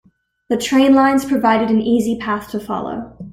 The train lines provided an easy path to follow.